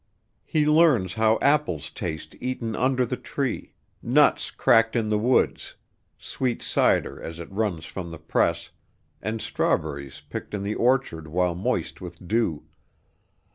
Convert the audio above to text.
He learns how apples taste eaten under the tree, nuts cracked in the woods, sweet cider as it runs from the press, and strawberries picked in the orchard while moist with dew.